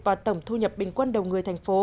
và tổng thu nhập bình quân đầu người thành phố